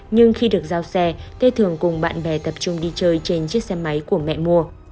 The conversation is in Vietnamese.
nhưng khi được giao xe cây thường cùng bạn bè tập trung đi chơi trên chiếc xe máy của mẹ mua